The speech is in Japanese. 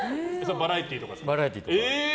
バラエティーとか。